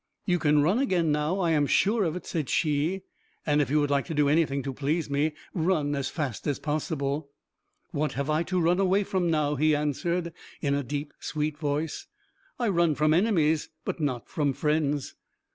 "You can run again now; I am sure of it," said she; "and if you would like to do anything to please me, run as fast as possible." "What have I to run away from now?" he answered, in a deep sweet voice. "I run from enemies, but not from friends."